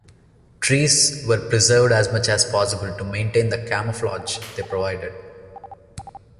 Trees were preserved as much as possible to maintain the camouflage they provided.